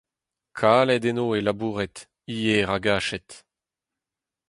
Kalet eno e laboured, ivez e ragached.